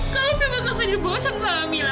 kalau memang kak fadil bosan sama mila